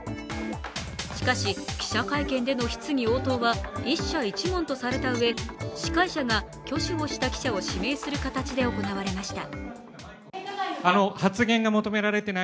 しかし、記者会見での質疑応答は１社１問とされたうえ、司会者が挙手をした記者を指名する形で行われました。